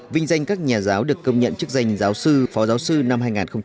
vinh danh các nhà giáo được công nhận chức danh giáo sư phó giáo sư năm hai nghìn một mươi